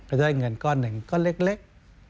จะได้เงินก้อนหนึ่งก้อนเล็ก